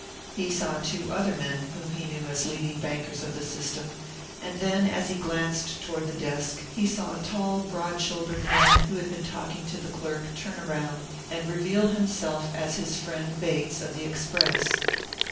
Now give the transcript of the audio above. He saw two other men whom he knew as leading bankers of the System; and then, as he glanced toward the desk, he saw a tall, broad shouldered man, who had been talking to the clerk, turn around, and reveal himself as his friend Bates, of the Express.